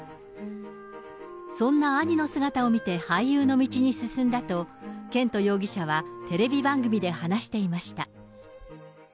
そんな兄の姿を見て俳優の道に進んだと、絢斗容疑者は、テレビ番組で話していました。